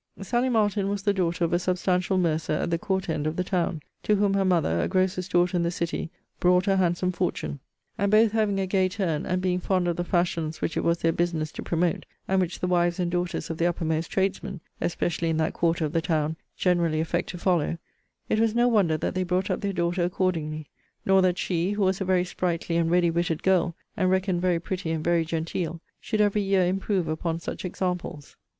SALLY MARTIN was the daughter of a substantial mercer at the court end of the town; to whom her mother, a grocer's daughter in the city, brought a handsome fortune; and both having a gay turn, and being fond of the fashions which it was their business to promote; and which the wives and daughters of the uppermost tradesmen (especially in that quarter of the town) generally affect to follow; it was no wonder that they brought up their daughter accordingly: nor that she, who was a very sprightly and ready witted girl, and reckoned very pretty and very genteel, should every year improve upon such examples.